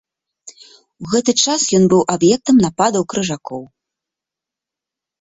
У гэты час ён быў аб'ектам нападаў крыжакоў.